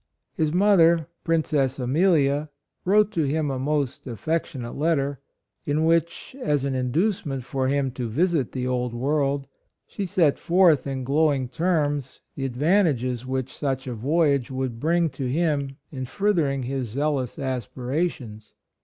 His mother, Princess Amelia, wrote to him a most affectionate letter, in which, as an inducement for him to visit the Old World, she set forth, in glowing terms, the ad vantages which such a voyage would bring to him in furthering his zeal ous aspirations.